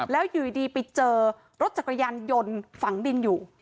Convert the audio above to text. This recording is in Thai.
แล้วอยู่ดีไปเจอรถจักรยานยนต์ฝังดินอยู่